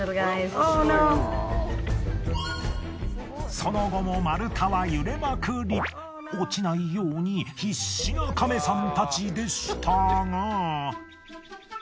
その後も丸太は揺れまくり落ちないように必死なカメさんたちでしたが。